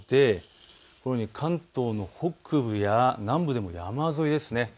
このように関東の北部や南部でも山沿いです。